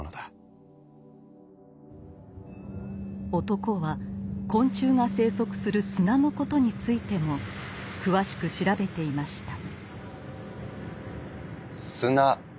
男は昆虫が棲息する砂のことについても詳しく調べていました。